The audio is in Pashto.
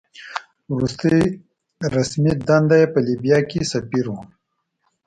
وروستۍ رسمي دنده یې په لیبیا کې سفیر وه.